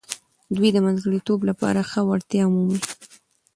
دوی د منځګړیتوب لپاره ښه وړتیا مومي.